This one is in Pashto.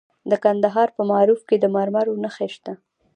د کندهار په معروف کې د مرمرو نښې شته.